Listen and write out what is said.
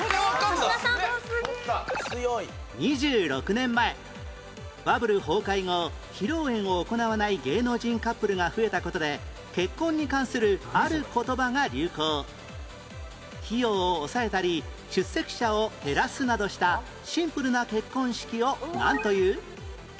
２６年前バブル崩壊後披露宴を行わない芸能人カップルが増えた事で結婚に関するある言葉が流行費用を抑えたり出席者を減らすなどしたシンプルな結婚式をなんという？